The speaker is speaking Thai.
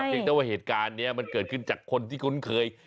จริงแต่ว่าเหตุการณ์นี้มันเกิดขึ้นจากคนที่คุ้นเคย